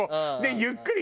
ゆっくり。